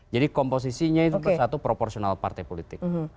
jadi komposisinya itu satu proporsional partai politik